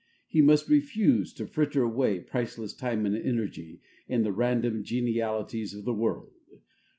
He must refuse to fritter away priceless time and energy in the random genialities of the world.